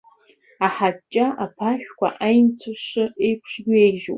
Аҳаҷҷа аԥашәқәа, аинцәыш еиԥш, иҩеижьуп.